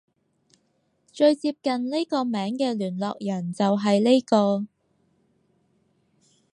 最接近呢個名嘅聯絡人就係呢個